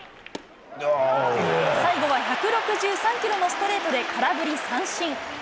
最後は１６３キロのストレートで空振り三振。